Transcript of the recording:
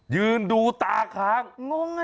ยืนดูตาค้าง